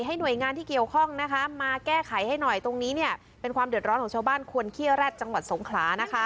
ตรงนี้เนี่ยเป็นความเดือดร้อนของชาวบ้านควรเครียร์แร็ดจังหวัดสงขลานะคะ